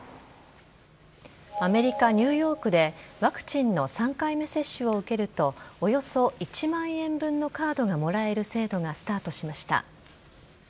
アメリカ・ニューヨークで、ワクチンの３回目接種を受けると、およそ１万円分のカードがもらえる制度がスタートしました。